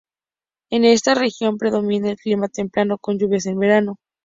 En esta región predomina el clima templado con lluvias en verano.